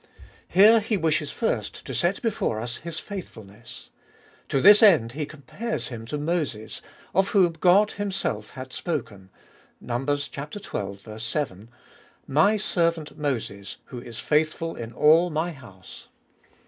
Here he wishes first to set before us His faithfulness. To this end he compares Him to Moses, of whom God Himself had spoken (Num. xii. 7) :" My servant Moses, who is faithful in all My house."